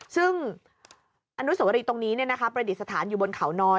ซึ่งอนุสกรีตรงนี้เนี่ยนะคะประดิษฐานอยู่บนขาวน้อย